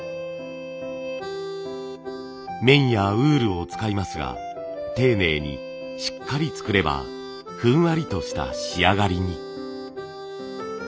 綿やウールを使いますが丁寧にしっかり作ればふんわりとした仕上がりに。